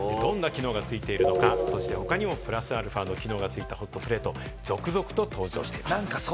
どんな機能が付いているのか、そして他にもプラスアルファの機能がついたホットプレートが続々と登場しているんです。